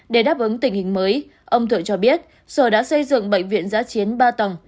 để đáp ứng tình hình mới ông thượng cho biết sở đã xây dựng bệnh viện giá chiến ba tầng